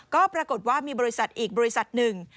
ก็ปรากฏว่ามีบริษัทอีกบริษัทหนึ่ง